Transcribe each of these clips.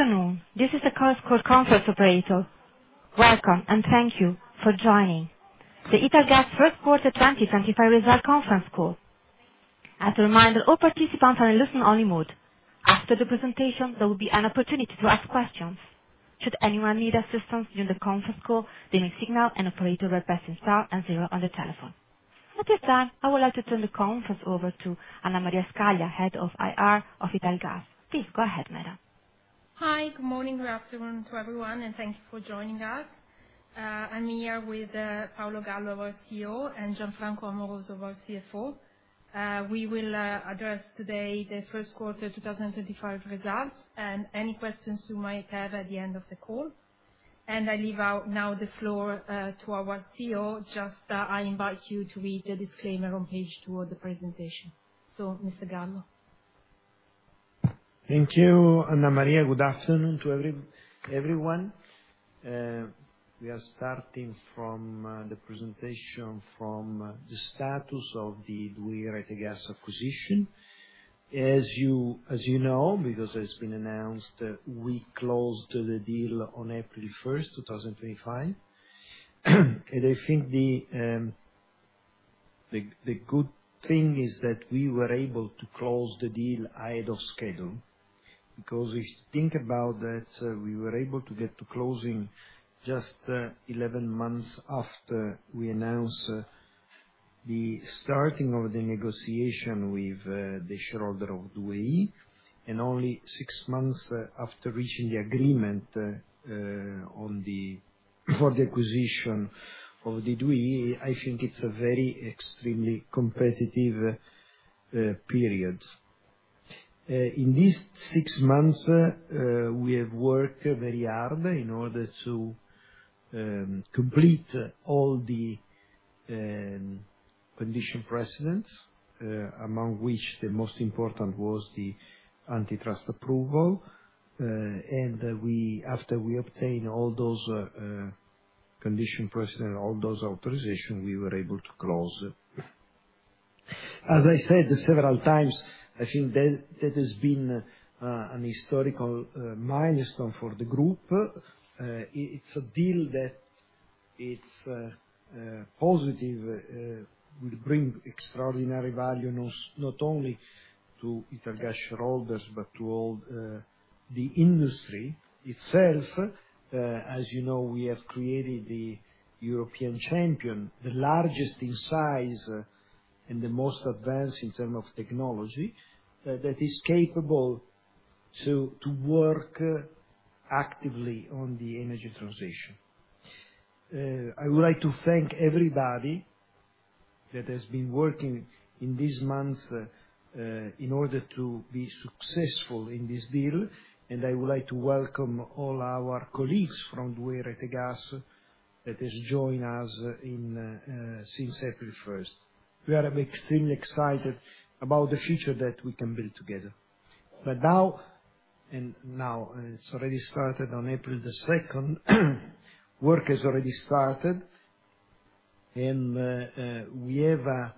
Good afternoon. This is the conference call of Italgas. Welcome, and thank you for joining the Italgas First Quarter 2025 Result Conference Call. As a reminder, all participants are in listen-only mode. After the presentation, there will be an opportunity to ask questions. Should anyone need assistance during the conference call, they may signal an operator and press star and zero on the telephone. At this time, I would like to turn the conference over to Anna Maria Scaglia, Head of IR of Italgas. Please go ahead, ma'am. Hi, good morning, good afternoon to everyone, and thank you for joining us. I'm here with Paolo Gallo, our CEO, and Gianfranco Amoroso, our CFO. We will address today the first quarter 2025 results and any questions you might have at the end of the call. I leave now the floor to our CEO. I invite you to read the disclaimer on page two of the presentation. Mr. Gallo. Thank you, Anna Maria. Good afternoon to everyone. We are starting from the presentation from the status of the 2i Rete Gas acquisition. As you know, because it's been announced, we closed the deal on April 1st, 2025. I think the good thing is that we were able to close the deal ahead of schedule. Because if you think about that, we were able to get to closing just 11 months after we announced the starting of the negotiation with the shareholder of 2i Rete Gas, and only six months after reaching the agreement for the acquisition of the 2i Rete Gas, I think it's a very extremely competitive period. In these six months, we have worked very hard in order to complete all the condition precedents, among which the most important was the antitrust approval. After we obtained all those condition precedents, all those authorizations, we were able to close. As I said several times, I think that has been a historical milestone for the group. It is a deal that is positive, will bring extraordinary value not only to Italgas shareholders, but to the industry itself. As you know, we have created the European champion, the largest in size and the most advanced in terms of technology, that is capable to work actively on the energy transition. I would like to thank everybody that has been working in these months in order to be successful in this deal. I would like to welcome all our colleagues from 2i Rete Gas that have joined us since April 1st. We are extremely excited about the future that we can build together. Now it's already started on April 2nd, work has already started, and we have a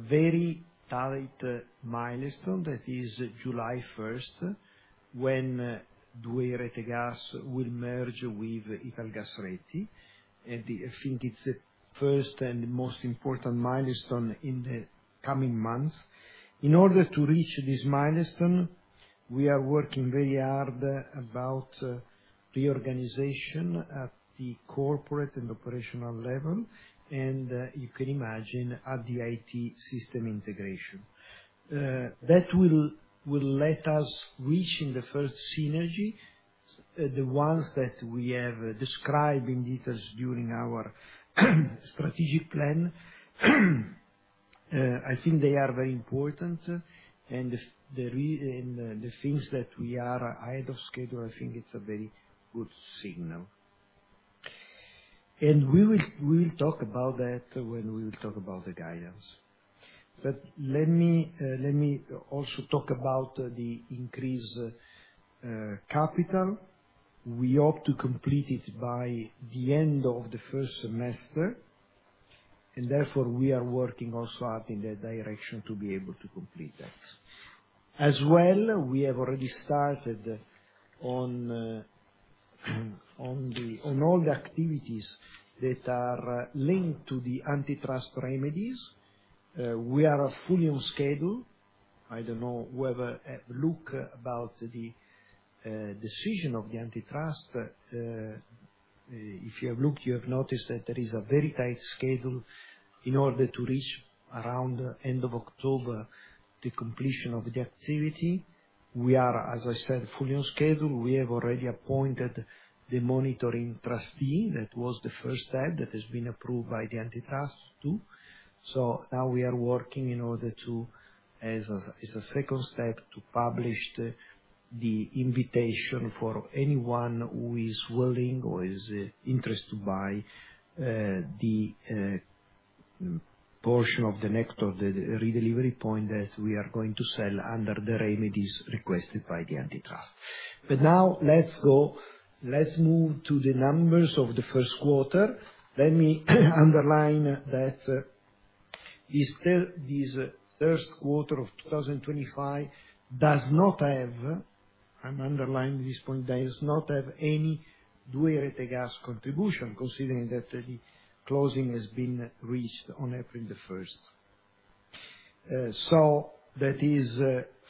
very tight milestone that is July 1stst when 2i Rete Gas will merge with Italgas Reti. I think it's the first and most important milestone in the coming months. In order to reach this milestone, we are working very hard about reorganization at the corporate and operational level, and you can imagine at the IT system integration. That will let us reach the first synergy, the ones that we have described in detail during our strategic plan. I think they are very important, and the fact that we are ahead of schedule, I think it's a very good signal. We will talk about that when we talk about the guidance. Let me also talk about the increased capital. We hope to complete it by the end of the first semester, and therefore we are working also hard in that direction to be able to complete that. As well, we have already started on all the activities that are linked to the antitrust remedies. We are fully on schedule. I do not know whether I have looked about the decision of the antitrust. If you have looked, you have noticed that there is a very tight schedule in order to reach around the end of October the completion of the activity. We are, as I said, fully on schedule. We have already appointed the monitoring trustee. That was the first step that has been approved by the antitrust too. Now we are working in order to, as a second step, publish the invitation for anyone who is willing or is interested to buy the portion of the NECTOR, the redelivery point that we are going to sell under the remedies requested by the antitrust. Let's move to the numbers of the first quarter. Let me underline that this first quarter of 2025 does not have, I'm underlining this point, does not have any 2i Rete Gas contribution, considering that the closing has been reached on April 1st. That is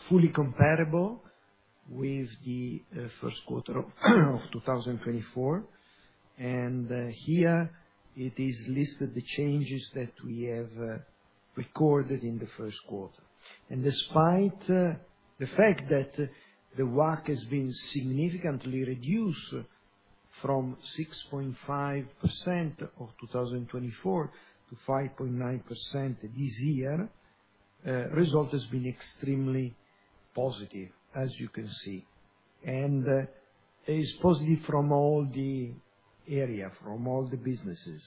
fully comparable with the first quarter of 2024. Here it is listed the changes that we have recorded in the first quarter. Despite the fact that the WACC has been significantly reduced from 6.5% in 2024 to 5.9% this year, the result has been extremely positive, as you can see. It is positive from all the areas, from all the businesses,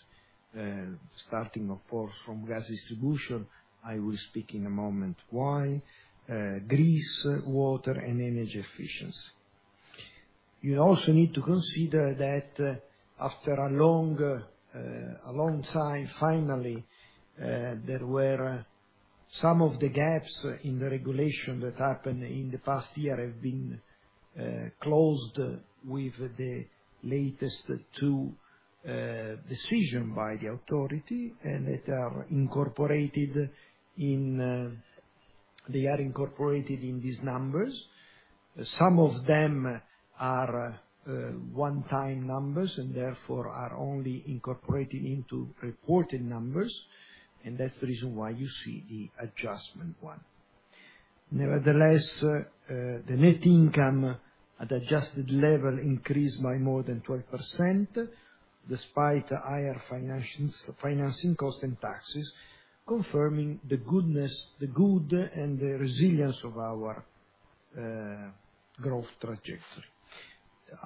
starting, of course, from gas distribution. I will speak in a moment why. Greece, water, and energy efficiency. You also need to consider that after a long time, finally, there were some of the gaps in the regulation that happened in the past year have been closed with the latest two decisions by the authority, and they are incorporated in these numbers. Some of them are one-time numbers and therefore are only incorporated into reported numbers. That is the reason why you see the adjustment one. Nevertheless, the net income at adjusted level increased by more than 12% despite higher financing costs and taxes, confirming the good and the resilience of our growth trajectory.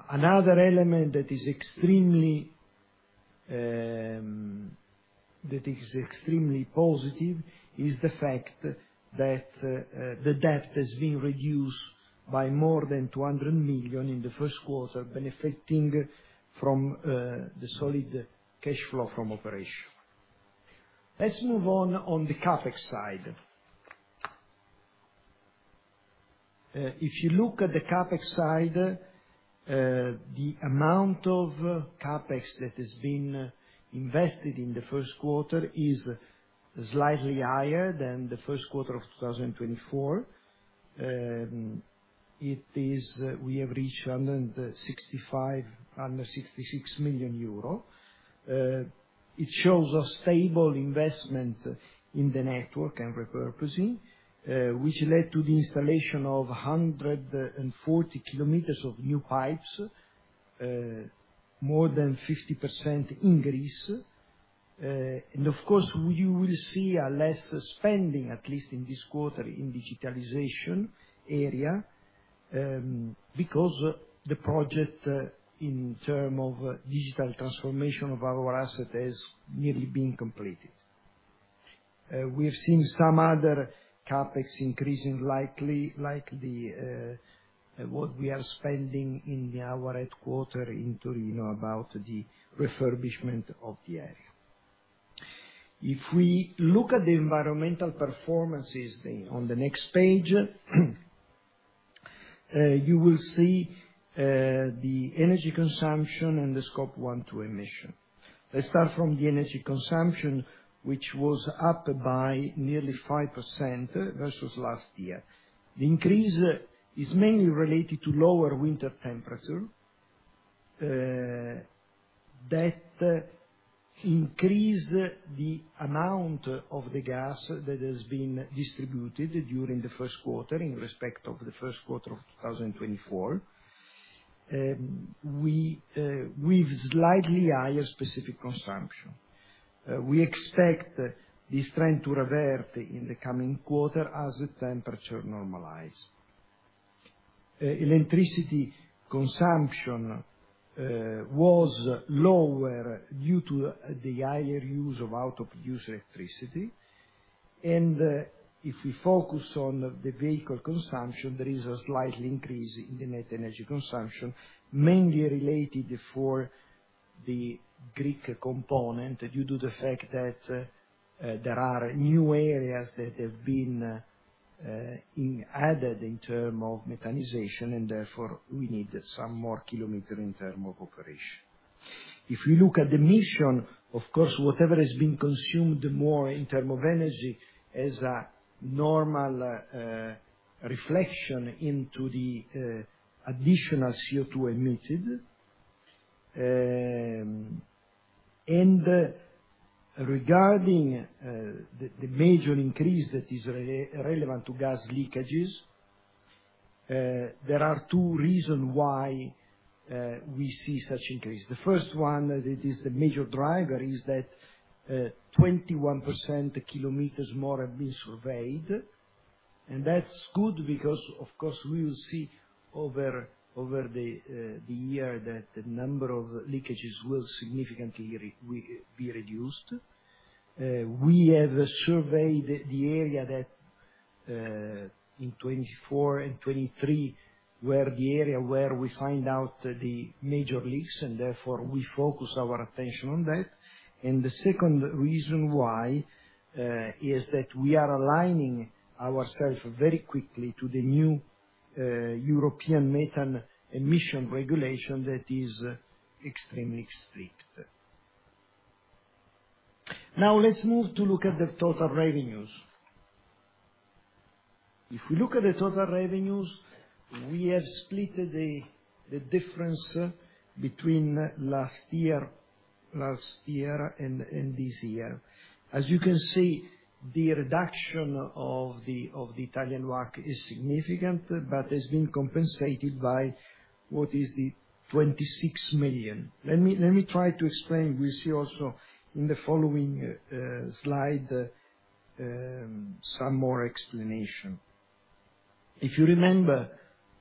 Another element that is extremely positive is the fact that the debt has been reduced by more than 200 million in the first quarter, benefiting from the solid cash flow from operation. Let's move on on the CapEx side. If you look at the CapEx side, the amount of CapEx that has been invested in the first quarter is slightly higher than the first quarter of 2024. We have reached under 66 million euro. It shows a stable investment in the network and repurposing, which led to the installation of 140 km of new pipes, more than 50% increase. You will see less spending, at least in this quarter, in digitalization area because the project, in terms of digital transformation of our asset, has nearly been completed. We have seen some other CapEx increasing, likely what we are spending in our headquarter in Torino about the refurbishment of the area. If we look at the environmental performances on the next page, you will see the energy consumption and the Scope 1 emission. Let's start from the energy consumption, which was up by nearly 5% versus last year. The increase is mainly related to lower winter temperature that increased the amount of the gas that has been distributed during the first quarter in respect of the first quarter of 2024. We have slightly higher specific consumption. We expect this trend to revert in the coming quarter as the temperature normalizes. Electricity consumption was lower due to the higher use of out-of-use electricity. If we focus on the vehicle consumption, there is a slight increase in the net energy consumption, mainly related to the Greek component due to the fact that there are new areas that have been added in terms of mechanization, and therefore we need some more kilometers in terms of operation. If we look at the emission, of course, whatever has been consumed more in terms of energy is a normal reflection into the additional CO2 emitted. Regarding the major increase that is relevant to gas leakages, there are two reasons why we see such increase. The first one, that is the major driver, is that 21% kilometers more have been surveyed. That is good because, of course, we will see over the year that the number of leakages will significantly be reduced. We have surveyed the area that in 2024 and 2023 were the area where we found out the major leaks, and therefore we focus our attention on that. The second reason why is that we are aligning ourselves very quickly to the new European methane emission regulation that is extremely strict. Now let's move to look at the total revenues. If we look at the total revenues, we have split the difference between last year and this year. As you can see, the reduction of the Italian WACC is significant, but it's been compensated by what is the 26 million. Let me try to explain. We'll see also in the following slide some more explanation. If you remember,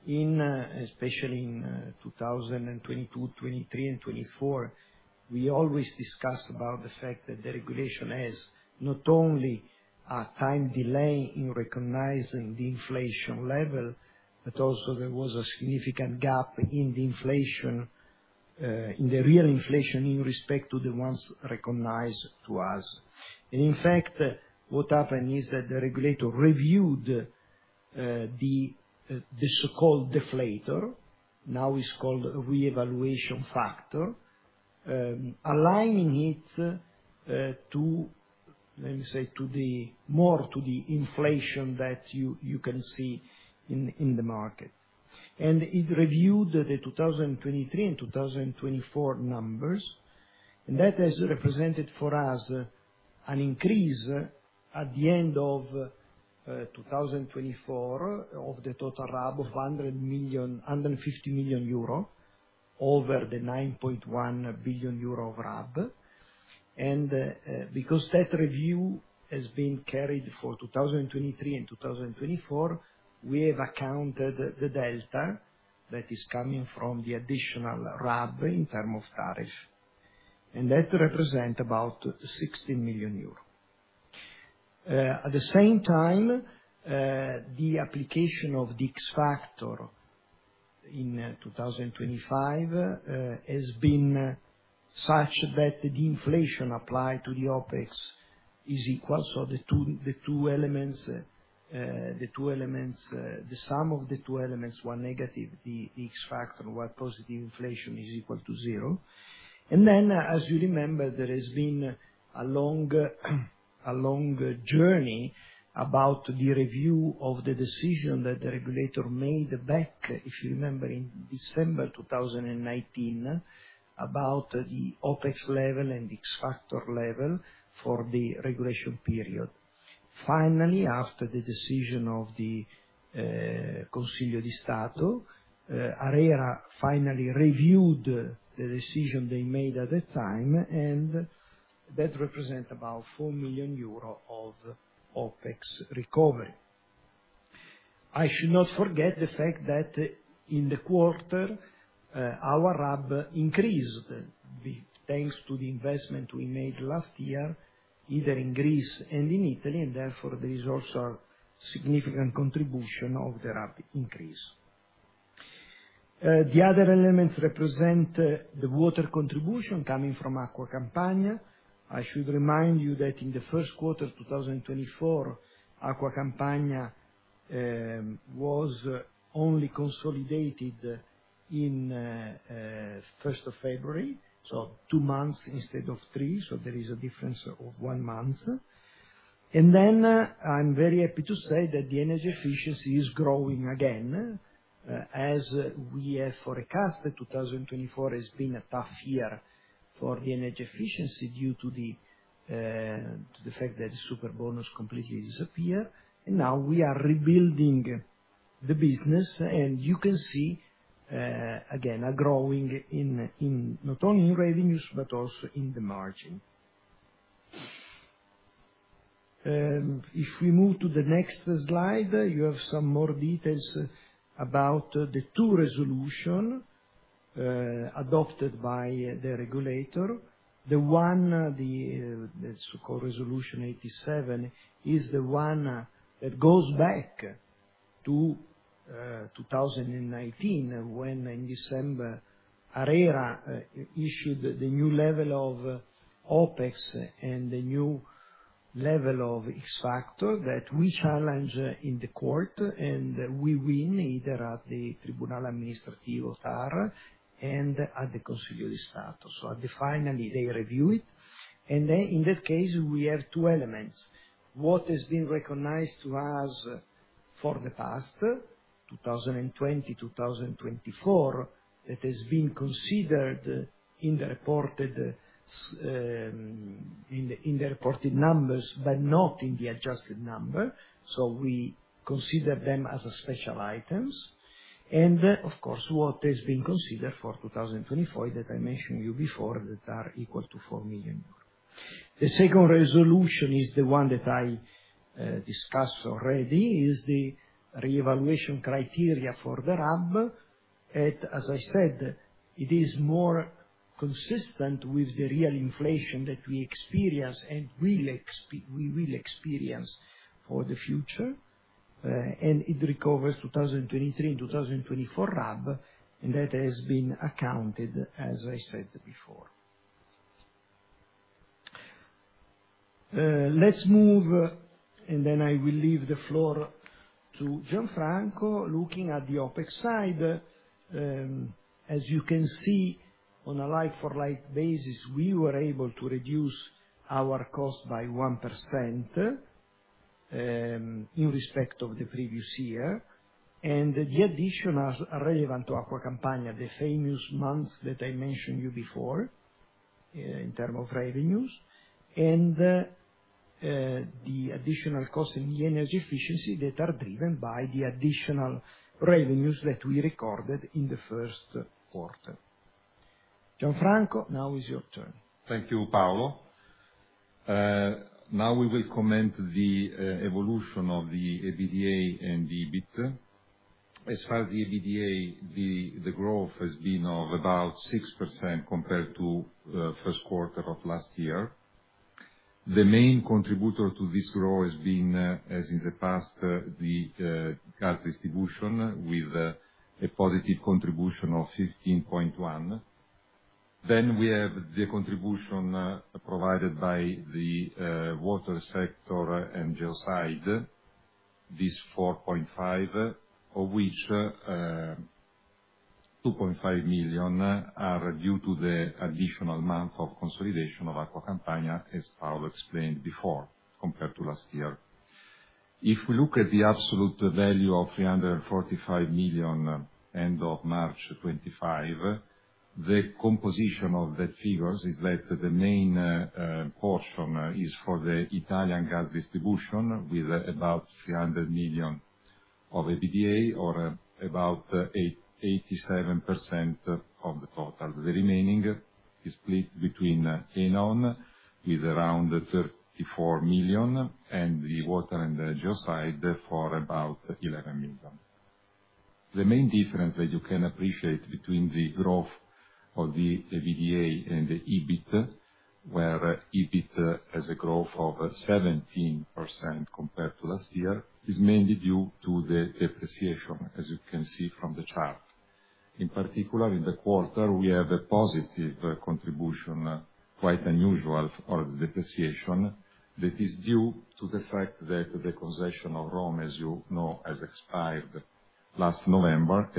especially in 2022, 2023, and 2024, we always discuss about the fact that the regulation has not only a time delay in recognizing the inflation level, but also there was a significant gap in the inflation, in the real inflation in respect to the ones recognized to us. In fact, what happened is that the regulator reviewed the so-called deflator. Now it is called a reevaluation factor, aligning it to, let me say, more to the inflation that you can see in the market. It reviewed the 2023 and 2024 numbers. That has represented for us an increase at the end of 2024 of the total RAB of 150 million euro over the 9.1 billion euro of RAB. Because that review has been carried for 2023 and 2024, we have accounted the delta that is coming from the additional RAB in terms of tariff. That represents about 16 million euros. At the same time, the application of the X factor in 2025 has been such that the inflation applied to the OPEX is equal. The two elements, the sum of the two elements were negative. The X factor was positive. Inflation is equal to zero. As you remember, there has been a long journey about the review of the decision that the regulator made back, if you remember, in December 2019, about the OPEX level and the X factor level for the regulation period. Finally, after the decision of the Consiglio di Stato, ARERA finally reviewed the decision they made at the time, and that represents about 4 million euro of OPEX recovery. I should not forget the fact that in the quarter, our RAB increased thanks to the investment we made last year, either in Greece and in Italy, and therefore there is also a significant contribution of the RAB increase. The other elements represent the water contribution coming from Acque Campania. I should remind you that in the first quarter of 2024, Acque Campania was only consolidated in the first of February, so two months instead of three. There is a difference of one month. I am very happy to say that the energy efficiency is growing again, as we have forecast that 2024 has been a tough year for the energy efficiency due to the fact that the Superbonus completely disappeared. Now we are rebuilding the business, and you can see, again, a growing in not only in revenues, but also in the margin. If we move to the next slide, you have some more details about the two resolutions adopted by the regulator. The one, the so-called Resolution 87, is the one that goes back to 2019, when in December, ARERA issued the new level of OPEX and the new level of X factor that we challenge in the court, and we win either at the Tribunale Amministrativo TAR and at the Consiglio di Stato. Finally, they review it. In that case, we have two elements. What has been recognized to us for the past, 2020-2024, that has been considered in the reported numbers, but not in the adjusted number. We consider them as special items. Of course, what has been considered for 2024 that I mentioned to you before that are equal to 4 million euros. The second resolution is the one that I discussed already, is the reevaluation criteria for the RAB. As I said, it is more consistent with the real inflation that we experience and we will experience for the future. It recovers 2023 and 2024 RAB, and that has been accounted, as I said before. Let's move, and then I will leave the floor to Gianfranco looking at the OPEX side. As you can see, on a like-for-like basis, we were able to reduce our cost by 1% in respect of the previous year. The additional relevant to Acqua Campania, the famous months that I mentioned to you before in terms of revenues, and the additional costs in the energy efficiency that are driven by the additional revenues that we recorded in the first quarter. Gianfranco, now it's your turn. Thank you, Paolo. Now we will comment on the evolution of the EBITDA and EBIT. As far as the EBITDA, the growth has been of about 6% compared to the first quarter of last year. The main contributor to this growth has been, as in the past, the gas distribution with a positive contribution of 15.1 million. Then we have the contribution provided by the water sector and geo-side, this 4.5 million, of which 2.5 million are due to the additional month of consolidation of Acqua Campania, as Paolo explained before, compared to last year. If we look at the absolute value of 345 million end of March 2025, the composition of that figure is that the main portion is for the Italian gas distribution with about 300 million of EBITDA or about 87% of the total. The remaining is split between Enaon with around 34 million and the water and geo-side for about 11 million. The main difference that you can appreciate between the growth of the EBITDA and the EBIT, where EBIT has a growth of 17% compared to last year, is mainly due to the depreciation, as you can see from the chart. In particular, in the quarter, we have a positive contribution, quite unusual, for the depreciation that is due to the fact that the concession of Rome, as you know, has expired last November.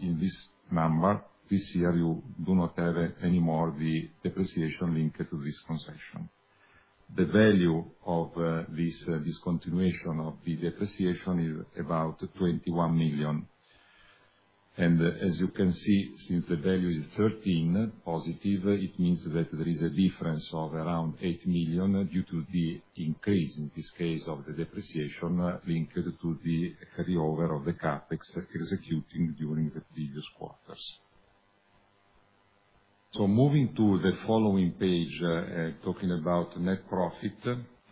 In this number, this year, you do not have anymore the depreciation linked to this concession. The value of this discontinuation of the depreciation is about 21 million. As you can see, since the value is 13 positive, it means that there is a difference of around 8 million due to the increase, in this case, of the depreciation linked to the carryover of the CapEx executed during the previous quarters. Moving to the following page, talking about net profit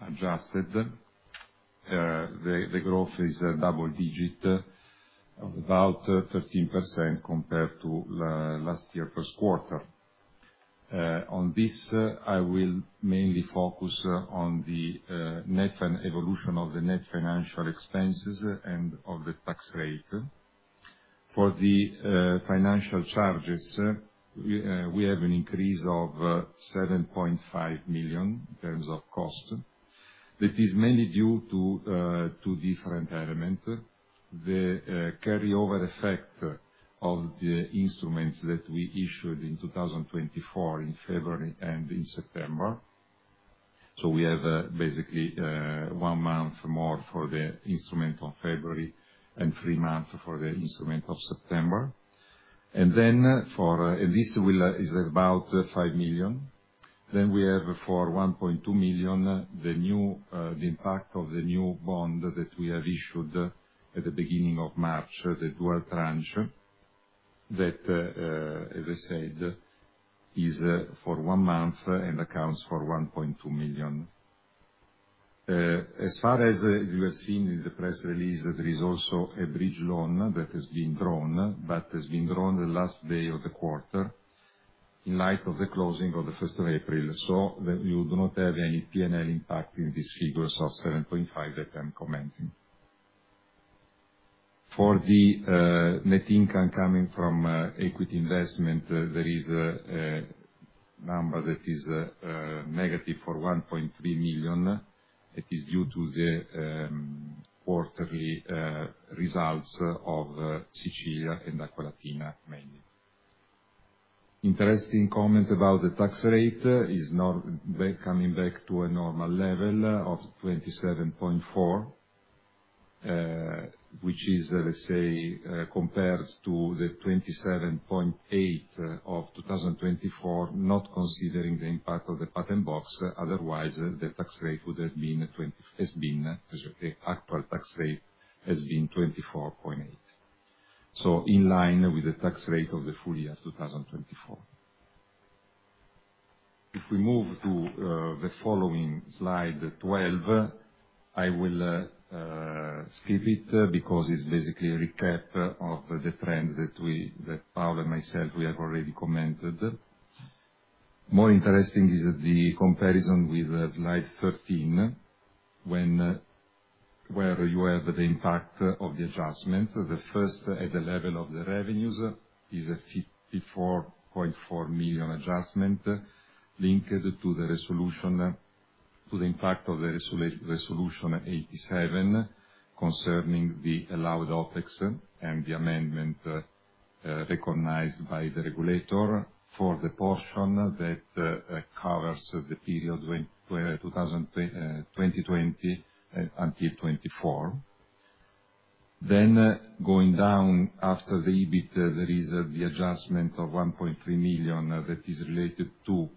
adjusted, the growth is double-digit, about 13% compared to last year's first quarter. On this, I will mainly focus on the net evolution of the net financial expenses and of the tax rate. For the financial charges, we have an increase of 7.5 million in terms of cost. That is mainly due to two different elements. The carryover effect of the instruments that we issued in 2024 in February and in September. We have basically one month more for the instrument of February and three months for the instrument of September. For, and this is about 5 million. Then we have for 1.2 million, the impact of the new bond that we have issued at the beginning of March, the dual tranche that, as I said, is for one month and accounts for 1.2 million. As far as you have seen in the press release, there is also a bridge loan that has been drawn, but has been drawn the last day of the quarter in light of the closing of the 1st of April. You do not have any P&L impact in these figures of 7.5 million that I am commenting. For the net income coming from equity investment, there is a number that is negative for 1.3 million. It is due to the quarterly results of Siciliacque and Acqualatina, mainly. Interesting comment about the tax rate is coming back to a normal level of 27.4%, which is, let's say, compared to the 27.8% of 2024, not considering the impact of the patent box. Otherwise, the tax rate would have been 20%, has been, as the actual tax rate has been 24.8%. So in line with the tax rate of the full year 2024. If we move to the following slide, 12, I will skip it because it's basically a recap of the trend that Paolo and myself, we have already commented. More interesting is the comparison with slide 13, where you have the impact of the adjustment. The first at the level of the revenues is a 54.4 million adjustment linked to the resolution to the impact of the resolution 87 concerning the allowed OPEX and the amendment recognized by the regulator for the portion that covers the period 2020 until 2024. Going down after the EBIT, there is the adjustment of 1.3 million that is related to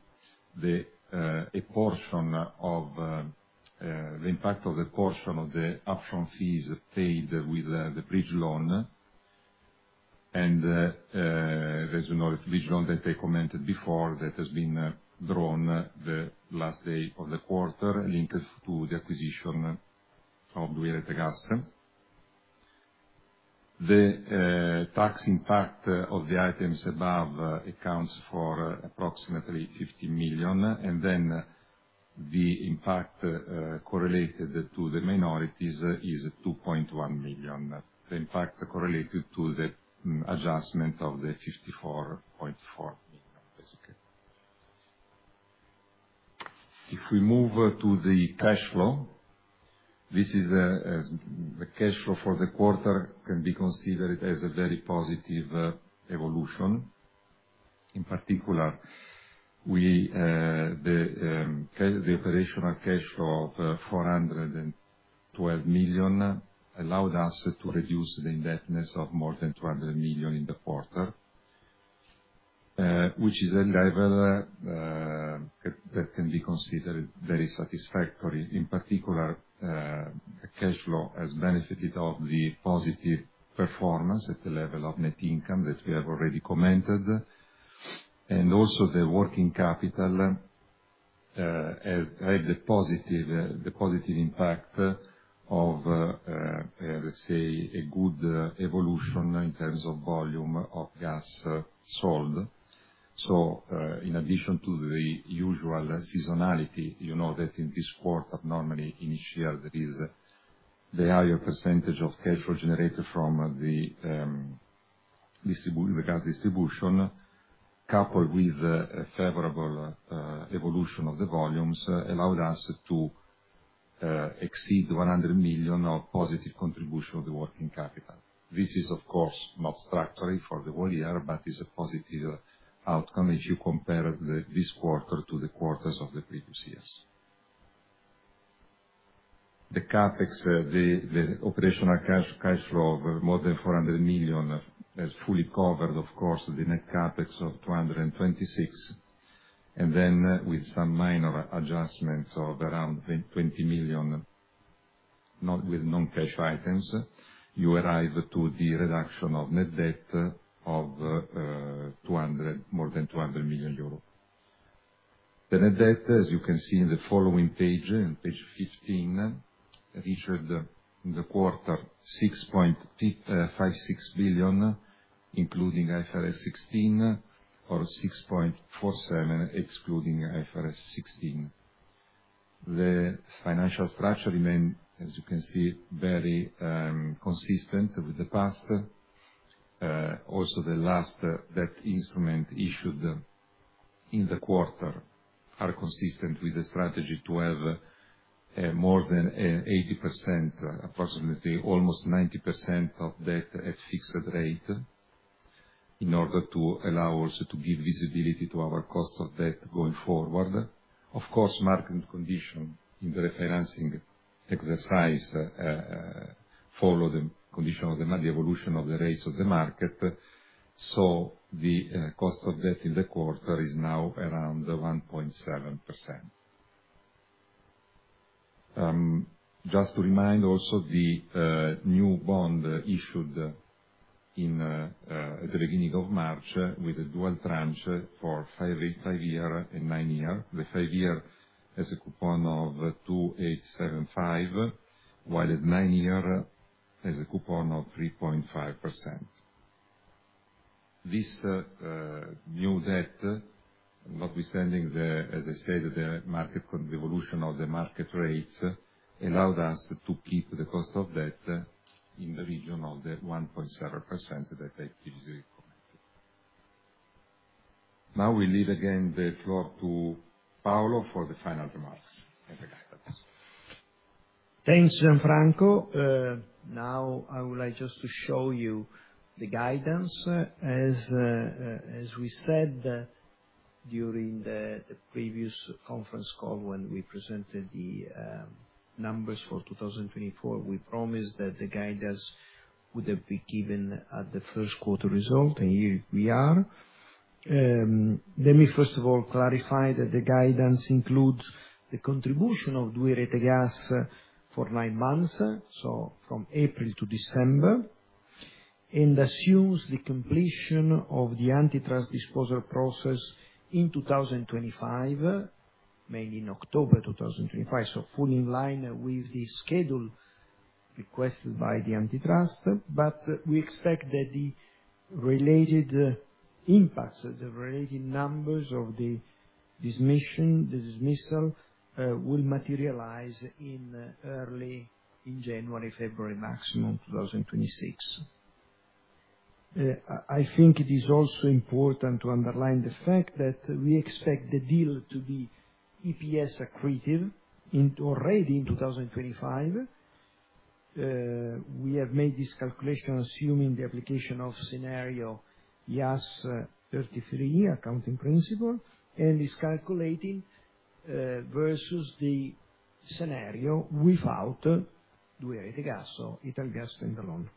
a portion of the impact of the portion of the upfront fees paid with the bridge loan. There is another bridge loan that I commented before that has been drawn the last day of the quarter linked to the acquisition of 2i Rete Gas. The tax impact of the items above accounts for approximately 15 million. The impact correlated to the minorities is 2.1 million. The impact correlated to the adjustment of the 54.4 million, basically. If we move to the cash flow, this is the cash flow for the quarter, can be considered as a very positive evolution. In particular, the operational cash flow of 412 million allowed us to reduce the indebtedness of more than 200 million in the quarter, which is a level that can be considered very satisfactory. In particular, the cash flow has benefited from the positive performance at the level of net income that we have already commented. Also, the working capital has had the positive impact of, let's say, a good evolution in terms of volume of gas sold. In addition to the usual seasonality, you know that in this quarter, normally in each year, there is the higher percentage of cash flow generated from the gas distribution, coupled with a favorable evolution of the volumes, allowed us to exceed 100 million of positive contribution of the working capital. This is, of course, not structural for the whole year, but is a positive outcome if you compare this quarter to the quarters of the previous years. The CapEx, the operational cash flow of more than 400 million has fully covered, of course, the net CapEx of 226 million. And then with some minor adjustments of around 20 million, not with non-cash items, you arrive to the reduction of net debt of more than 200 million euros. The net debt, as you can see in the following page, on page 15, reached in the quarter 6.56 billion, including IFRS 16, or 6.47 billion excluding IFRS 16. The financial structure remained, as you can see, very consistent with the past. Also, the last debt instrument issued in the quarter is consistent with the strategy to have more than 80%, approximately almost 90% of debt at fixed rate in order to allow us to give visibility to our cost of debt going forward. Of course, market condition in the refinancing exercise followed the condition of the evolution of the rates of the market. The cost of debt in the quarter is now around 1.7%. Just to remind also, the new bond issued at the beginning of March with a dual tranche for five year and nine year. The five year has a coupon of 2.875%, while the nine year has a coupon of 3.5%. This new debt, notwithstanding, as I said, the evolution of the market rates allowed us to keep the cost of debt in the region of the 1.7% that I previously commented. Now we leave again the floor to Paolo for the final remarks and the guidance. Thanks, Gianfranco. Now I would like just to show you the guidance. As we said during the previous conference call when we presented the numbers for 2024, we promised that the guidance would be given at the first quarter result, and here we are. Let me, first of all, clarify that the guidance includes the contribution of 2i Rete Gas for nine months, so from April to December, and assumes the completion of the antitrust disposal process in 2025, mainly in October 2025, fully in line with the schedule requested by the antitrust. We expect that the related impacts, the related numbers of the dismissal will materialize in early, in January, February maximum 2026. I think it is also important to underline the fact that we expect the deal to be EPS accretive already in 2025. We have made this calculation assuming the application of scenario IAS 33, accounting principle, and is calculating versus the scenario without 2i Rete Gas, so Italgas in the loan.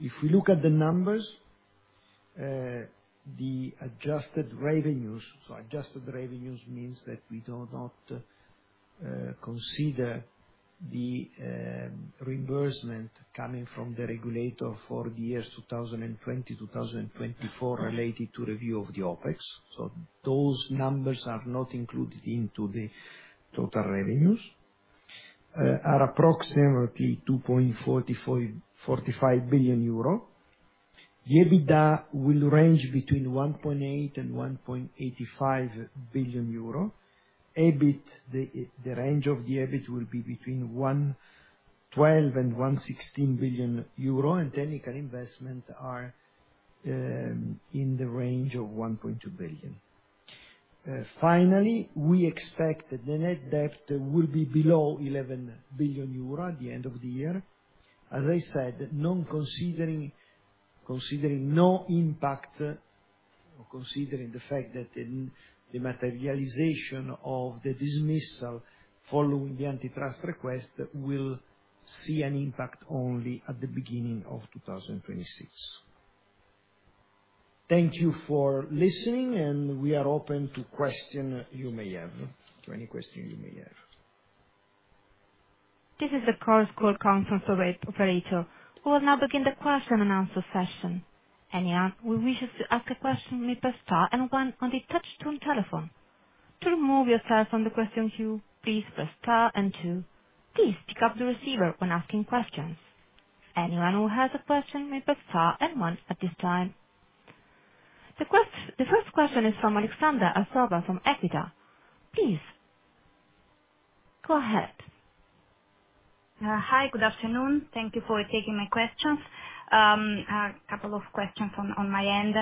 If we look at the numbers, the adjusted revenues, so adjusted revenues means that we do not consider the reimbursement coming from the regulator for the years 2020-2024 related to review of the OPEX. So those numbers are not included into the total revenues, are approximately 2.45 billion euro. EBITDA will range between 1.8 billion-1.85 billion euro. EBIT, the range of the EBIT will be between 1.12 billion-1.16 billion euro, and technical investment are in the range of 1.2 billion. Finally, we expect that the net debt will be below 1.1 billion euro at the end of the year. As I said, considering no impact or considering the fact that the materialization of the dismissal following the antitrust request will see an impact only at the beginning of 2026. Thank you for listening, and we are open to any questions you may have. This is the call's conference operator. We will now begin the question and answer session. Anyone who wishes to ask a question may press star and one on the touch-tone telephone. To remove yourself from the question queue, please press star and two. Please pick up the receiver when asking questions. Anyone who has a question may press star and one at this time. The first question is from Aleksandra Arsova from Equita. Please go ahead. Hi, good afternoon. Thank you for taking my questions. A couple of questions on my end.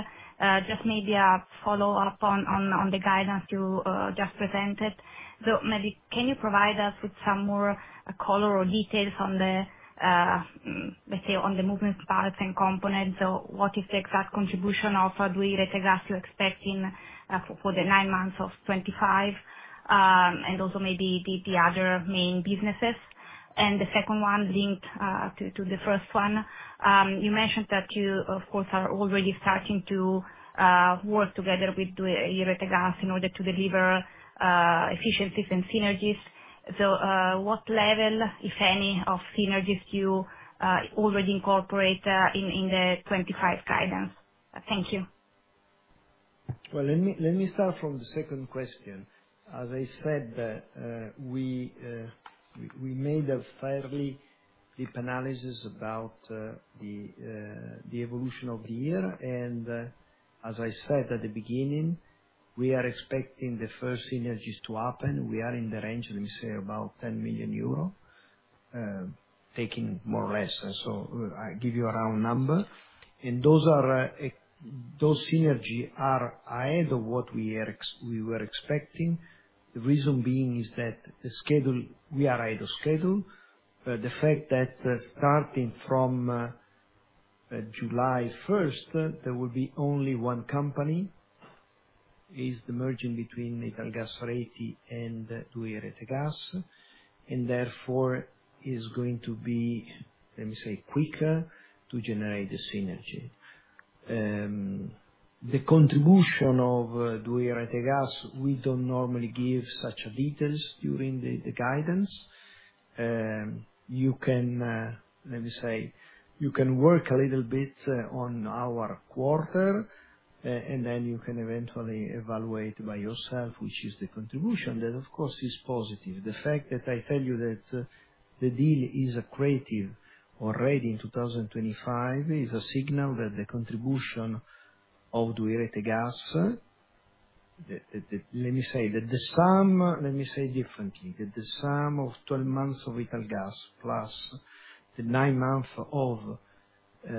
Just maybe a follow-up on the guidance you just presented. Maybe can you provide us with some more color or details on the, let's say, on the moving parts and components? What is the exact contribution of 2i Rete Gas you expect for the nine months of 2025? Also maybe the other main businesses. The second one linked to the first one, you mentioned that you, of course, are already starting to work together with 2i Rete Gas in order to deliver efficiencies and synergies. What level, if any, of synergies do you already incorporate in the 2025 guidance? Thank you. Let me start from the second question. As I said, we made a fairly deep analysis about the evolution of the year. As I said at the beginning, we are expecting the first synergies to happen. We are in the range, let me say, about 10 million euro, take or give. I give you a round number. Those synergies are ahead of what we were expecting. The reason is that the schedule, we are ahead of schedule. The fact that starting from July 1st, there will be only one company is the merging between Italgas Rete and 2i Rete Gas. Therefore, it is going to be, let me say, quicker to generate the synergy. The contribution of 2i Rete Gas, we do not normally give such details during the guidance. You can, let me say, you can work a little bit on our quarter, and then you can eventually evaluate by yourself, which is the contribution that, of course, is positive. The fact that I tell you that the deal is accretive already in 2025 is a signal that the contribution of 2i Rete Gas, let me say, that the sum, let me say differently, that the sum of 12 months of Italgas plus the nine months of 2i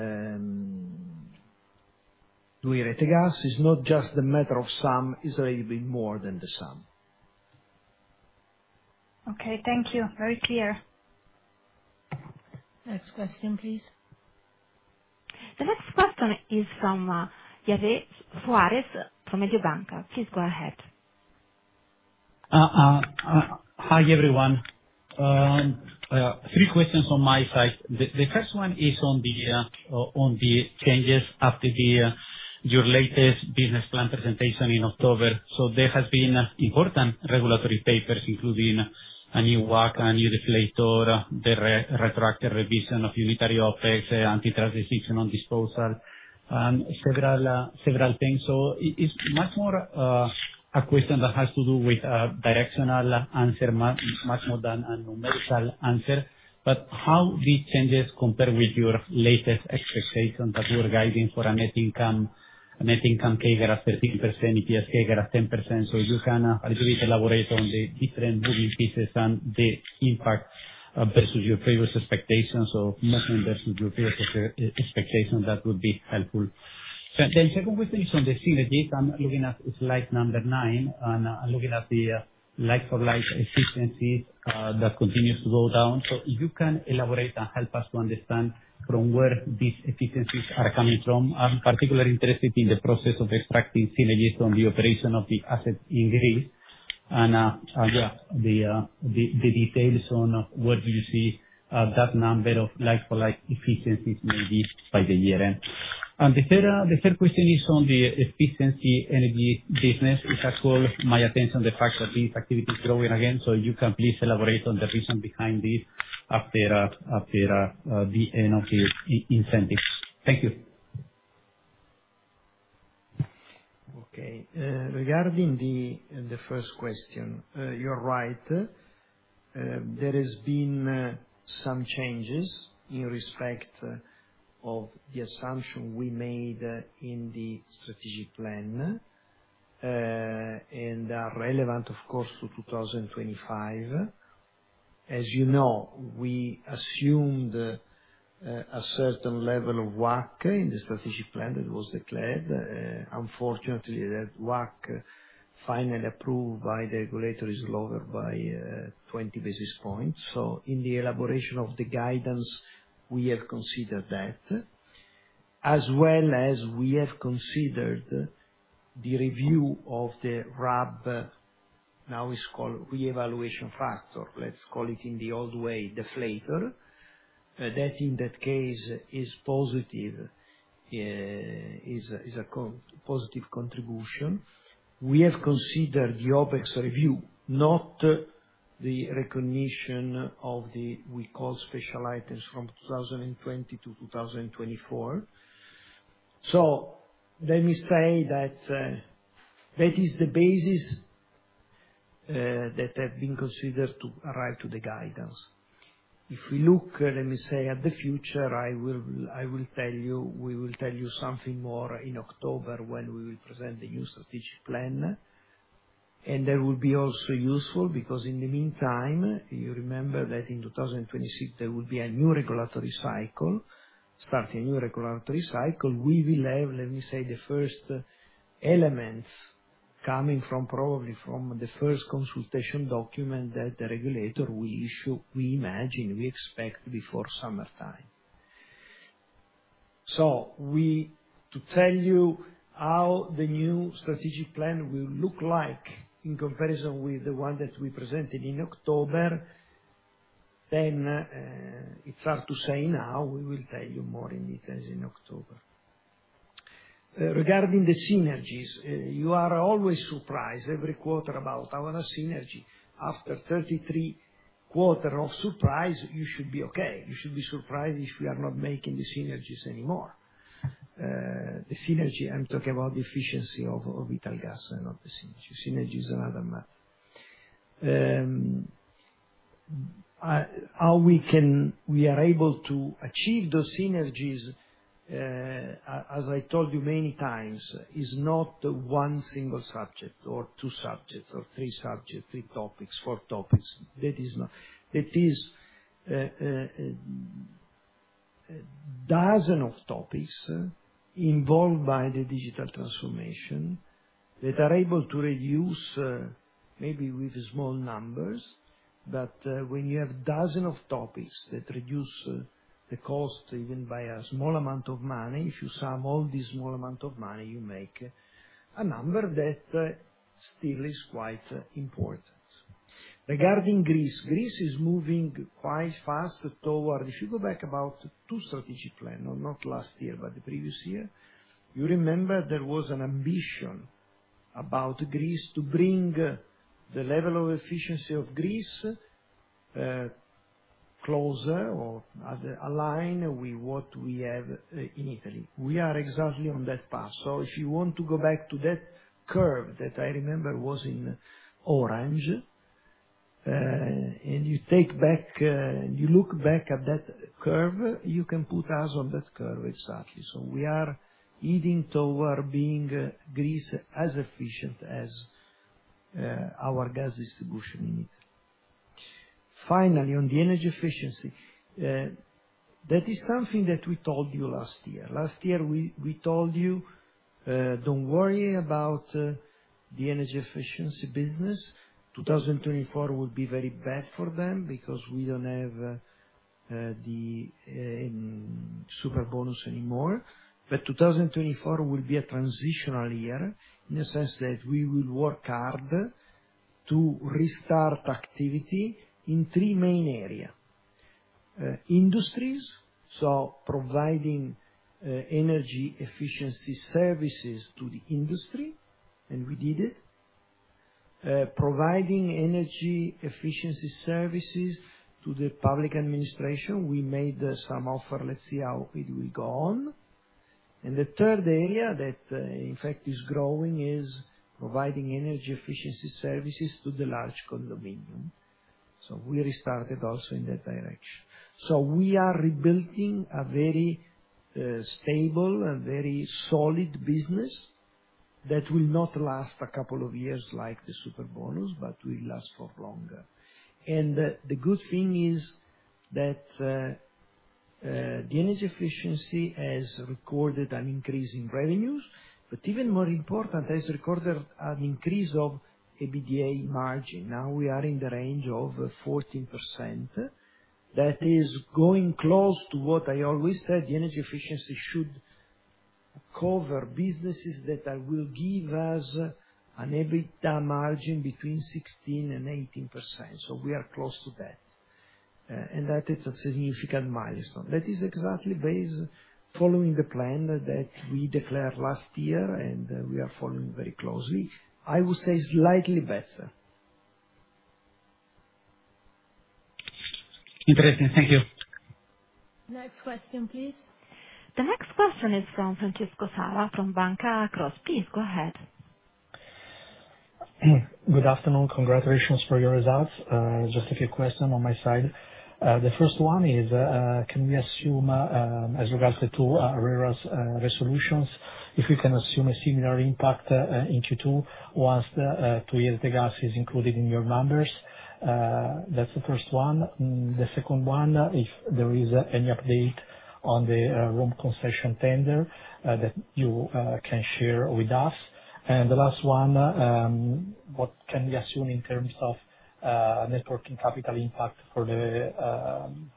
Rete Gas is not just a matter of sum, it's a little bit more than the sum. Okay. Thank you. Very clear. Next question, please. The next question is from Javier Suárez from Mediobanca. Please go ahead. Hi, everyone. Three questions on my side. The first one is on the changes after your latest business plan presentation in October. There have been important regulatory papers, including a new WACC, a new deflator, the retracted revision of unitary OPEX, antitrust decision on disposal, several things. It is much more a question that has to do with a directional answer, much more than a numerical answer. How do these changes compare with your latest expectations that were guiding for a net income CAGR of 13%, EPS CAGR of 10%? If you can a little bit elaborate on the different moving pieces and the impact versus your previous expectations of movement versus your previous expectations, that would be helpful. The second question is on the synergies. I'm looking at slide number nine, and I'm looking at the likes of life efficiencies that continue to go down. If you can elaborate and help us to understand from where these efficiencies are coming from. I'm particularly interested in the process of extracting synergies on the operation of the assets in Greece. Yeah, the details on where do you see that number of like-for-like efficiencies maybe by the year end. The third question is on the efficiency energy business. It has caught my attention, the fact that these activities are growing again. If you can please elaborate on the reason behind this after the end of the incentives. Thank you. Okay. Regarding the first question, you're right. There have been some changes in respect of the assumption we made in the strategic plan and relevant, of course, to 2025. As you know, we assumed a certain level of WACC in the strategic plan that was declared. Unfortunately, that WACC finally approved by the regulator is lower by 20 basis points. In the elaboration of the guidance, we have considered that, as well as we have considered the review of the RAB, now it is called reevaluation factor, let's call it in the old way, deflator. In that case, it is positive, it is a positive contribution. We have considered the OPEX review, not the recognition of what we call special items from 2020 to 2024. Let me say that is the basis that has been considered to arrive at the guidance. If we look, let me say, at the future, I will tell you, we will tell you something more in October when we will present the new strategic plan. That will be also useful because in the meantime, you remember that in 2026, there will be a new regulatory cycle, starting a new regulatory cycle. We will have, let me say, the first elements coming probably from the first consultation document that the regulator will issue, we imagine, we expect before summertime. To tell you how the new strategic plan will look like in comparison with the one that we presented in October, it is hard to say now. We will tell you more in detail in October. Regarding the synergies, you are always surprised every quarter about our synergy. After 33 quarters of surprise, you should be okay. You should be surprised if we are not making the synergies anymore. The synergy, I am talking about the efficiency of Italgas and not the synergy. Synergy is another matter. How we are able to achieve those synergies, as I told you many times, is not one single subject or two subjects or three subjects, three topics, four topics. That is dozens of topics involved by the digital transformation that are able to reduce maybe with small numbers, but when you have dozens of topics that reduce the cost even by a small amount of money, if you sum all these small amounts of money, you make a number that still is quite important. Regarding Greece, Greece is moving quite fast toward, if you go back about two strategic plans, not last year, but the previous year, you remember there was an ambition about Greece to bring the level of efficiency of Greece closer or align with what we have in Italy. We are exactly on that path. If you want to go back to that curve that I remember was in orange, and you take back, you look back at that curve, you can put us on that curve exactly. We are heading toward being Greece as efficient as our gas distribution in Italy. Finally, on the energy efficiency, that is something that we told you last year. Last year, we told you, do not worry about the energy efficiency business. 2024 will be very bad for them because we do not have the Superbonus anymore. 2024 will be a transitional year in the sense that we will work hard to restart activity in three main areas. Industries, so providing energy efficiency services to the industry, and we did it. Providing energy efficiency services to the public administration. We made some offer, let's see how it will go on. The third area that, in fact, is growing is providing energy efficiency services to the large condominium. We restarted also in that direction. We are rebuilding a very stable and very solid business that will not last a couple of years like the superbonus, but will last for longer. The good thing is that the energy efficiency has recorded an increase in revenues, but even more important, has recorded an increase of EBITDA margin. Now we are in the range of 14%. That is going close to what I always said, the energy efficiency should cover businesses that will give us an EBITDA margin between 16%-18%. We are close to that. That is a significant milestone. That is exactly based following the plan that we declared last year, and we are following very closely. I would say slightly better. Interesting. Thank you. Next question, please. The next question is from Francesco Sala from Banca Akros. Please go ahead. Good afternoon. Congratulations for your results. Just a few questions on my side. The first one is, can we assume as regards to ARERA's resolutions, if we can assume a similar impact in Q2 once 2i Rete Gas is included in your numbers? That's the first one. The second one, if there is any update on the Rome concession tender that you can share with us. The last one, what can we assume in terms of networking capital impact for the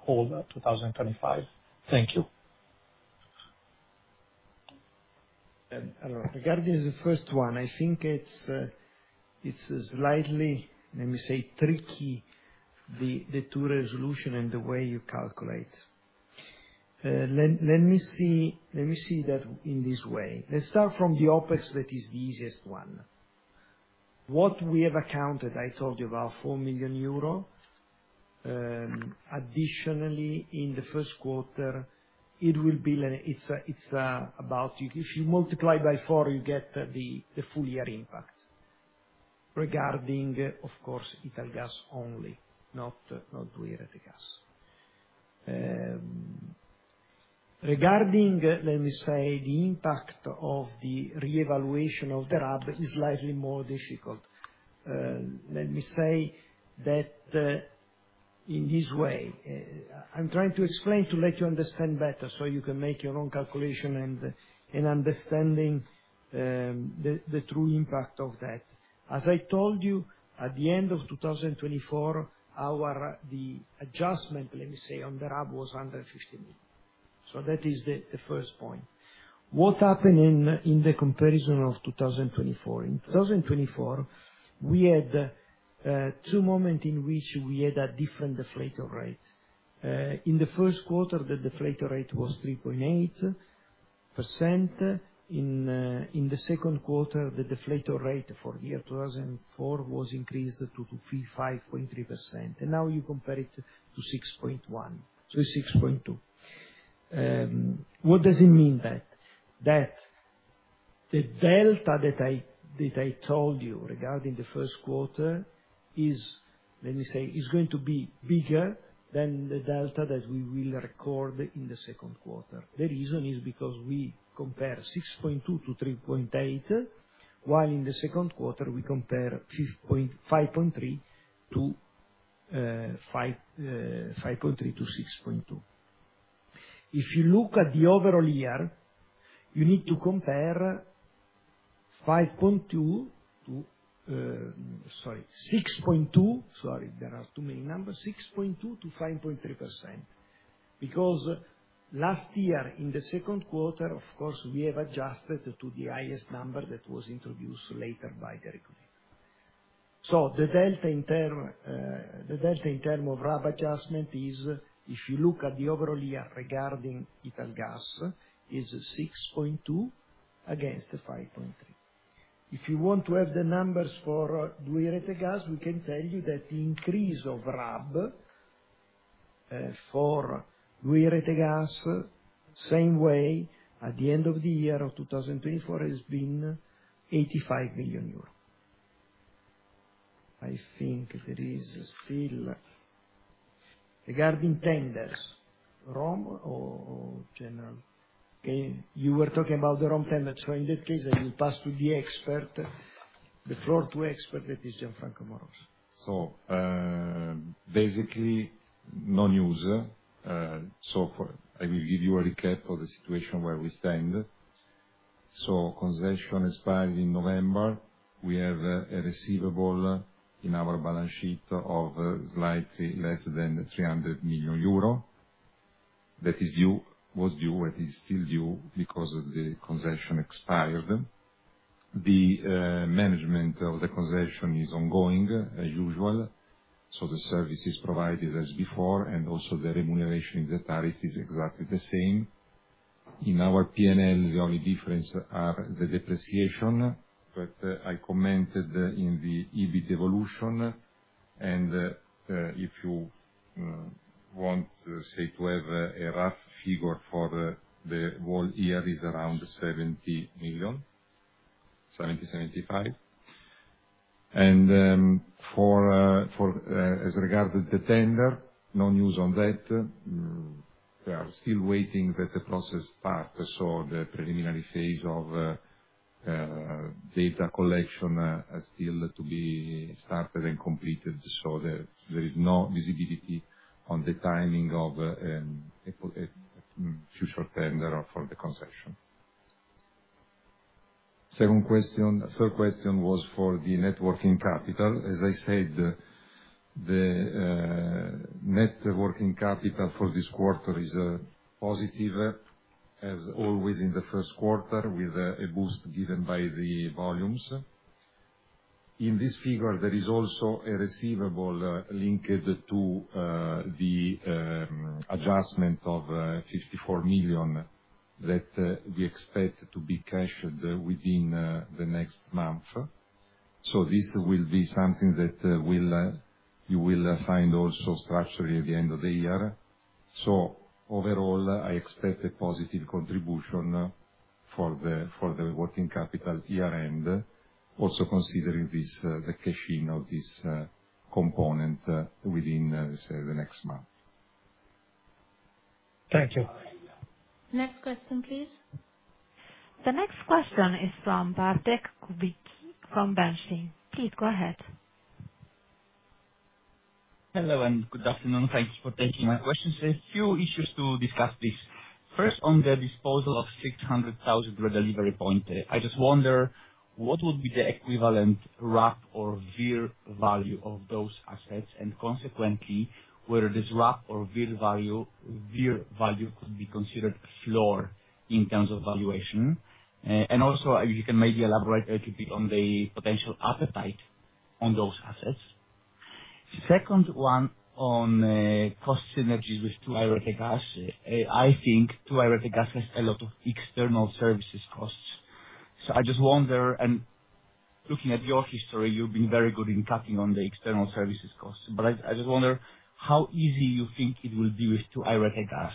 whole 2025? Thank you. Regarding the first one, I think it's slightly, let me say, tricky, the two resolutions and the way you calculate. Let me see that in this way. Let's start from the OPEX that is the easiest one. What we have accounted, I told you about 4 million euro. Additionally, in the first quarter, it will be, it's about if you multiply by four, you get the full year impact. Regarding, of course, Italgas only, not 2i Rete Gas. Regarding, let me say, the impact of the reevaluation of the RAB is slightly more difficult. Let me say that in this way. I'm trying to explain to let you understand better so you can make your own calculation and understanding the true impact of that. As I told you, at the end of 2024, the adjustment, let me say, on the RAB was 150 million. So that is the first point. What happened in the comparison of 2024? In 2024, we had two moments in which we had a different deflator rate. In the first quarter, the deflator rate was 3.8%. In the second quarter, the deflator rate for the year 2004 was increased to 5.3%. Now you compare it to 6.1. It is 6.2. What does it mean that? That the delta that I told you regarding the first quarter is, let me say, is going to be bigger than the delta that we will record in the second quarter. The reason is because we compare 6.2-3.8, while in the second quarter, we compare 5.3 to 5.3-6.2. If you look at the overall year, you need to compare 5.2 to, sorry, 6.2, sorry, there are too many numbers, 6.2%-5.3%. Because last year, in the second quarter, of course, we have adjusted to the highest number that was introduced later by the regulator. The delta in terms of RAB adjustment is, if you look at the overall year regarding Italgas, is 6.2 billion against 5.3 billion. If you want to have the numbers for 2i Rete Gas, we can tell you that the increase of RAB for 2i Rete Gas, same way, at the end of the year of 2024, has been 85 million euro. I think there is still regarding tenders, Rome or general? Okay. You were talking about the Rome tenders. In that case, I will pass the floor to the expert, that is Gianfranco Amoroso. Basically, no news. I will give you a recap of the situation where we stand. The concession expired in November. We have a receivable in our balance sheet of slightly less than 300 million euro. That was due, but it is still due because the concession expired. The management of the concession is ongoing, as usual. The service is provided as before, and also the remuneration in the tariff is exactly the same. In our P&L, the only differences are the depreciation, but I commented in the EBIT evolution. If you want, say, to have a rough figure for the whole year, it is around 70 million, 70 million-75 million. As regards to the tender, no news on that. We are still waiting for that process part, so the preliminary phase of data collection is still to be started and completed. There is no visibility on the timing of a future tender for the concession. Third question was for the networking capital. As I said, the networking capital for this quarter is positive, as always in the first quarter, with a boost given by the volumes. In this figure, there is also a receivable linked to the adjustment of 54 million that we expect to be cashed within the next month. This will be something that you will find also structurally at the end of the year. Overall, I expect a positive contribution for the working capital year-end, also considering the cashing of this component within the next month. Thank you. Next question, please. The next question is from Bartek Kubicki from Bernstein. Please go ahead. Hello and good afternoon. Thank you for taking my questions. A few issues to discuss this. First, on the disposal of 600,000 redelivery points, I just wonder what would be the equivalent RAB or VIR value of those assets? Consequently, whether this RAB or VIR value could be considered floor in terms of valuation. Also, if you can maybe elaborate a little bit on the potential appetite on those assets. Second one, on cost synergies with 2i Rete Gas, I think 2i Rete Gas has a lot of external services costs. I just wonder, and looking at your history, you've been very good in cutting on the external services costs. I just wonder how easy you think it will be with 2i Rete Gas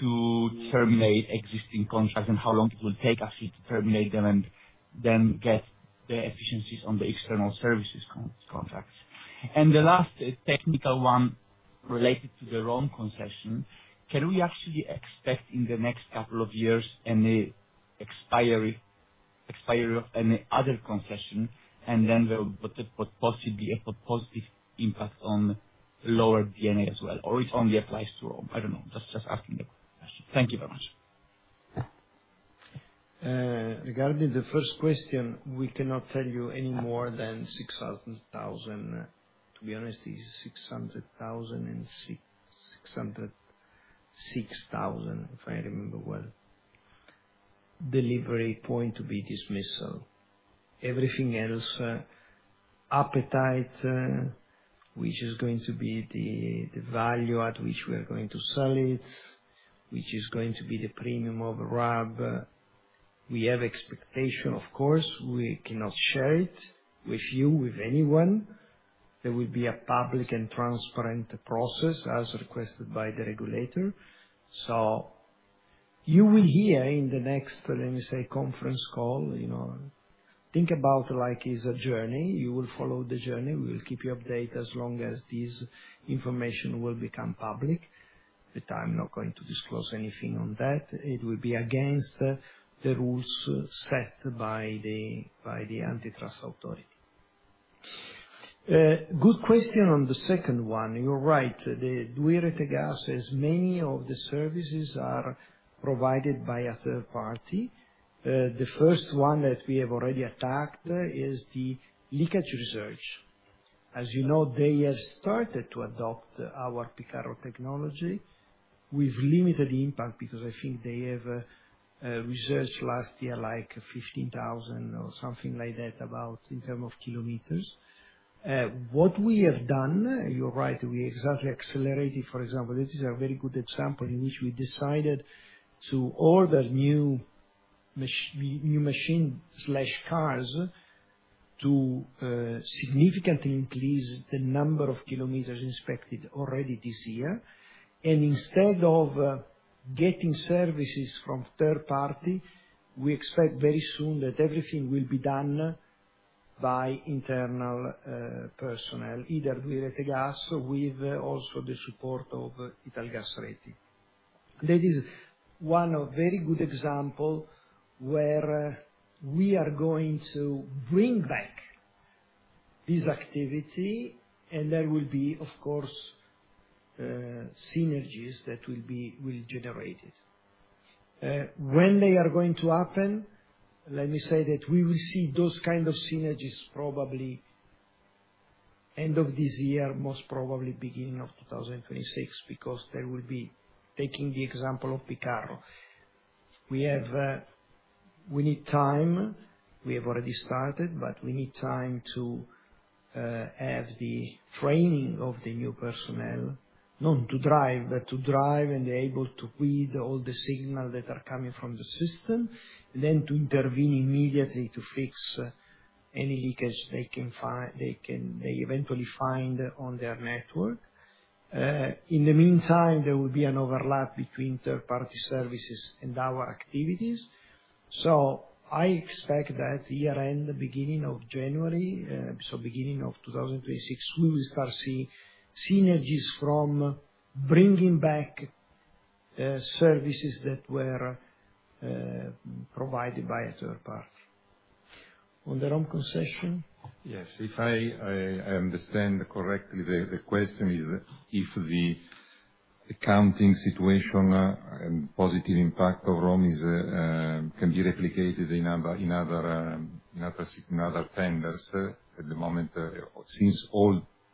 to terminate existing contracts and how long it will take us to terminate them and then get the efficiencies on the external services contracts. The last technical one related to the Rome concession, can we actually expect in the next couple of years an expiry of any other concession and then possibly a positive impact on lower DNA as well? Or it only applies to Rome? I don't know. Just asking the question. Thank you very much. Regarding the first question, we cannot tell you any more than 600,000. To be honest, it is 600,000 and 606,000, if I remember well, delivery point to be dismissal. Everything else, appetite, which is going to be the value at which we are going to sell it, which is going to be the premium of RAB. We have expectation, of course. We cannot share it with you, with anyone. There will be a public and transparent process as requested by the regulator. You will hear in the next, let me say, conference call. Think about it like it is a journey. You will follow the journey. We will keep you updated as long as this information will become public. I am not going to disclose anything on that. It will be against the rules set by the Antitrust Authority. Good question on the second one. You are right. Rete Gas, as many of the services are provided by a third party, the first one that we have already attacked is the leakage research. As you know, they have started to adopt our Picaro technology. We've limited the impact because I think they have researched last year like 15,000 or something like that about in terms of kilometers. What we have done, you're right, we exactly accelerated, for example, this is a very good example in which we decided to order new machines/cars to significantly increase the number of kilometers inspected already this year. Instead of getting services from third party, we expect very soon that everything will be done by internal personnel, either 2i Rete Gas or with also the support of Italgas RETI. That is one very good example where we are going to bring back this activity, and there will be, of course, synergies that will be generated. When they are going to happen, let me say that we will see those kinds of synergies probably end of this year, most probably beginning of 2026, because there will be, taking the example of Picaro, we need time. We have already started, but we need time to have the training of the new personnel, not to drive, but to drive and be able to read all the signals that are coming from the system, and then to intervene immediately to fix any leakage they eventually find on their network. In the meantime, there will be an overlap between third-party services and our activities. I expect that year-end, beginning of January, so beginning of 2026, we will start seeing synergies from bringing back services that were provided by a third party. On the Rome concession? Yes. If I understand correctly, the question is if the accounting situation and positive impact of Rome can be replicated in other tenders. At the moment, since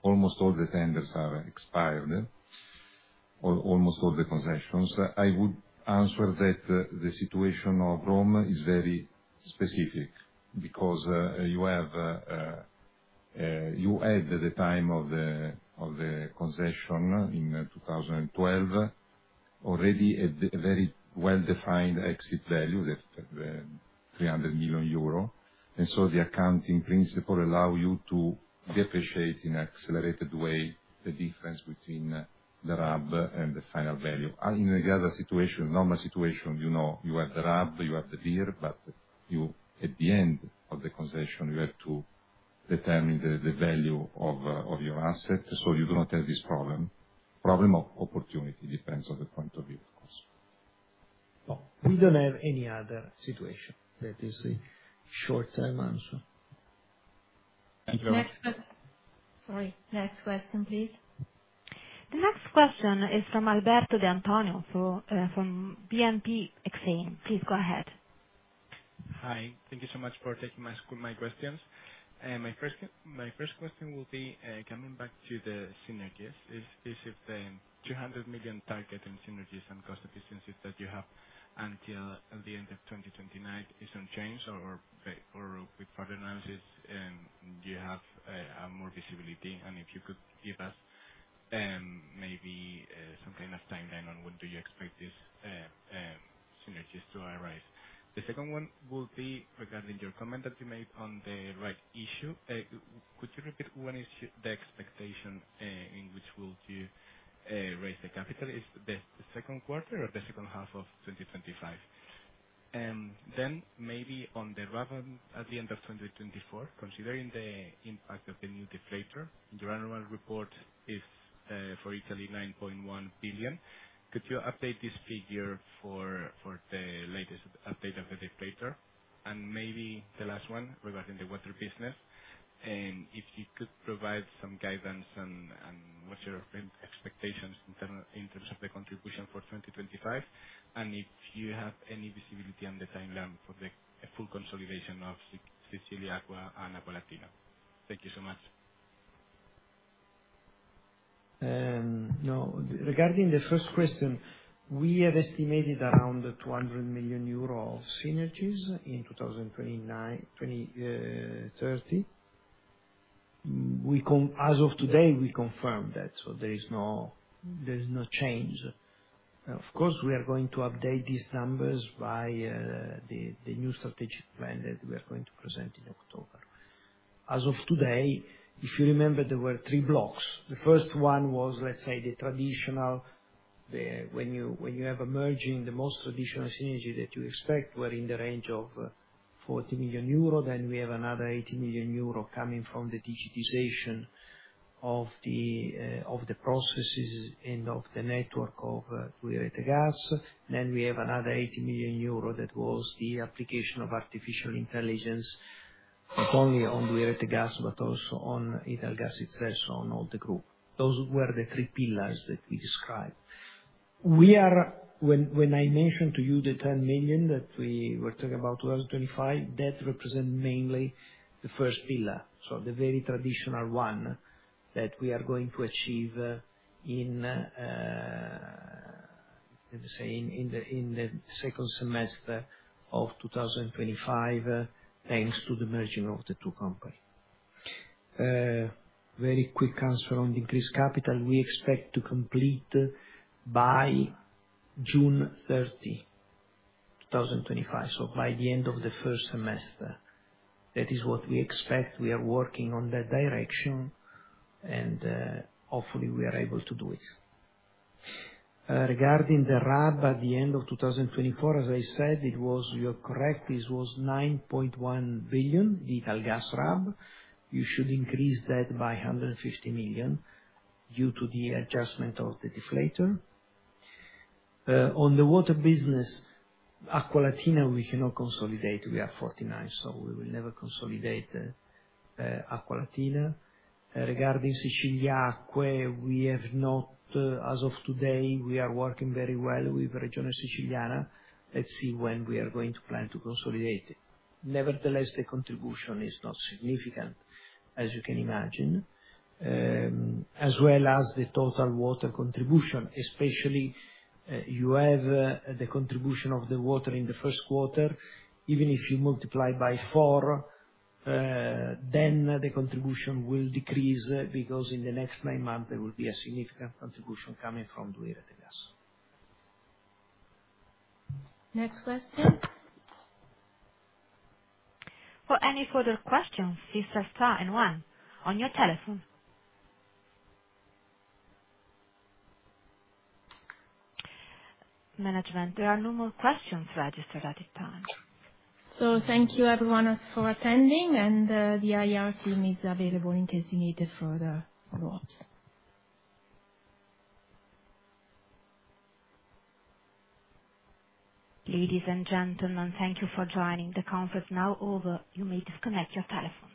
almost all the tenders are expired, almost all the concessions, I would answer that the situation of Rome is very specific because you had at the time of the concession in 2012 already a very well-defined exit value of 300 million euro. The accounting principle allows you to depreciate in an accelerated way the difference between the RAB and the final value. In the other situation, normal situation, you have the RAB, you have the VIR, but at the end of the concession, you have to determine the value of your asset. You do not have this problem. Problem of opportunity depends on the point of view, of course. We don't have any other situation. That is a short-term answer. Thank you very much. Next question. Sorry. Next question, please. The next question is from Alberto de Antonio, from BNP Exane. Please go ahead. Hi. Thank you so much for taking my questions. My first question will be coming back to the synergies. Is it the 200 million target in synergies and cost efficiencies that you have until the end of 2029 is unchanged? Or with further analysis, do you have more visibility? If you could give us maybe some kind of timeline on when do you expect these synergies to arise? The second one will be regarding your comment that you made on the right issue. Could you repeat when is the expectation in which will you raise the capital? Is that the second quarter or the second half of 2025? Maybe on the RAB at the end of 2024, considering the impact of the new deflator, your annual report is for Italy 9.1 billion. Could you update this figure for the latest update of the deflator? Maybe the last one regarding the water business. If you could provide some guidance on what is your expectation in terms of the contribution for 2025? And if you have any visibility on the timeline for the full consolidation of Siciliacque and Acqualatina. Thank you so much. No. Regarding the first question, we have estimated around 200 million euro of synergies in 2030. As of today, we confirm that. There is no change. Of course, we are going to update these numbers by the new strategic plan that we are going to present in October. As of today, if you remember, there were three blocks. The first one was, let's say, the traditional. When you have a merging, the most traditional synergy that you expect were in the range of 40 million euro. Then we have another 80 million euro coming from the digitization of the processes and of the network of 2i Rete Gas. Then we have another 80 million euros that was the application of artificial intelligence, not only on 2i Rete Gas, but also on Italgas itself, on all the group. Those were the three pillars that we described. When I mentioned to you the 10 million that we were talking about 2025, that represents mainly the first pillar. The very traditional one that we are going to achieve in the second semester of 2025, thanks to the merging of the two companies. Very quick answer on the increased capital. We expect to complete by June 30, 2025, by the end of the first semester. That is what we expect. We are working in that direction, and hopefully, we are able to do it. Regarding the RAB at the end of 2024, as I said, you're correct, it was 9.1 billion, the Italgas RAB. You should increase that by 150 million due to the adjustment of the deflator. On the water business, Acqualatina, we cannot consolidate. We are 49, so we will never consolidate Acqualatina. Regarding Siciliacque, as of today, we are working very well with Regione Siciliana. Let's see when we are going to plan to consolidate it. Nevertheless, the contribution is not significant, as you can imagine, as well as the total water contribution. Especially, you have the contribution of the water in the first quarter. Even if you multiply by four, then the contribution will decrease because in the next nine months, there will be a significant contribution coming from 2i Rete Gas. Next question. For any further questions, please press star and one on your telephone. Management, there are no more questions registered at this time. Thank you, everyone, for attending. The IR team is available in case you need further follow-ups. Ladies and gentlemen, thank you for joining the conference. Now over. You may disconnect your telephone.